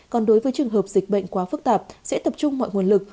còn đối với trường hợp dịch bệnh quá phức tạp sẽ tập trung mọi nguồn lực